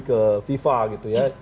ke fifa gitu ya